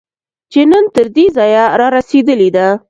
چې نن تر دې ځایه رارسېدلې ده